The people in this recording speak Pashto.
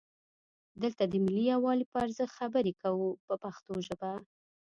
دلته د ملي یووالي په ارزښت خبرې کوو په پښتو ژبه.